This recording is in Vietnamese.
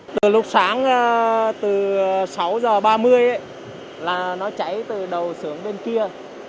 từ lúc sáng từ sáu h ba mươi là nó cháy từ đầu sướng bên kia